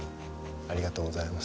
ありがとうございます。